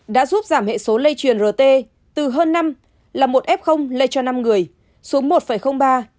đã giúp giảm hệ số lây truyền rt từ hơn năm là một f lây cho năm người xuống một ba